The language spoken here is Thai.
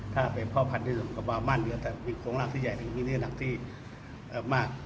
ถ้าเป็นพ่อพันธุ์ที่กำบังมั่นเดียวแต่มีโครงร่างที่ใหญ่นี่นี่หนักที่มาก